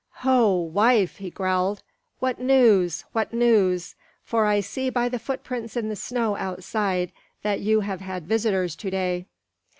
"Ho! wife," he growled, "what news, what news? For I see by the footprints in the snow outside that you have had visitors to day."